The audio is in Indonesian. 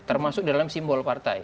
termasuk dalam simbol partai